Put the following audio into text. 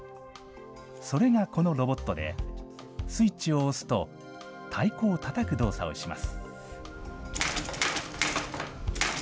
それがこのロボットで、スイッチを押すと太鼓をたたく動作をします。